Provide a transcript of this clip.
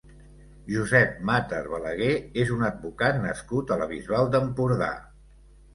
Josep Matas Balaguer és un advocat nascut a la Bisbal d'Empordà.